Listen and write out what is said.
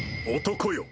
「男よ